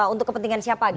untuk kepentingan siapa gitu